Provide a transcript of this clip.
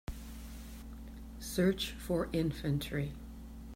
Search for Infantry